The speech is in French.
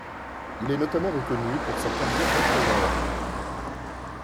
Il est notamment reconnu pour sa carrière d'entraîneur.